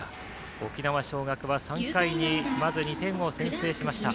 沖縄尚学は３回にまず２点を先制しました。